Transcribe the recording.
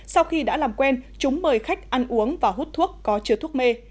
sau khi đã làm quen chúng mời khách ăn uống và hút thuốc có chứa thuốc mê